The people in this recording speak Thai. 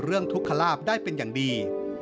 เรื่องทุกข์คลาบได้เป็นอย่างดี